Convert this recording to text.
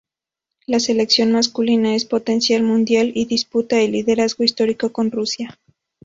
La selección masculina es potencia mundial, y disputa el liderazgo histórico con Rusia.